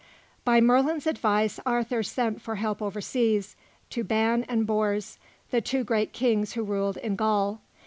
By Merlin's advice, Arthur sent for help overseas, to Ban and Bors, the two great Kings who ruled in Gaul.